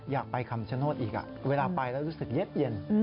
อยากไปคำชโนธอีกเวลาไปแล้วรู้สึกเย็น